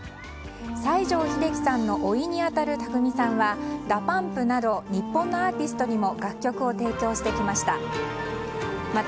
西城秀樹さんのおいに当たる宅見さんはＤＡＰＵＭＰなど日本のアーティストにも楽曲を提供してきました。